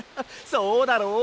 そうだろう？